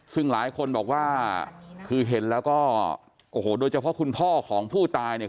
ซึ่งหลายคนบอกว่าคือเห็นแล้วก็โอ้โหโดยเฉพาะคุณพ่อของผู้ตายเนี่ย